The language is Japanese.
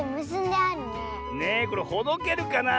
ねえこれほどけるかなあ。